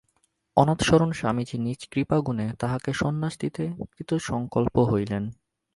অনাথশরণ স্বামীজী নিজ কৃপাগুণে তাহাকে সন্ন্যাস দিতে কৃতসঙ্কল্প হইলেন।